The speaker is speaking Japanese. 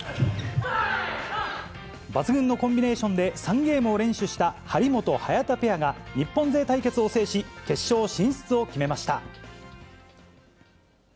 抜群のコンビネーションで３ゲームを連取した張本・早田ペアが、日本勢対決を制し、決勝進出を決めました。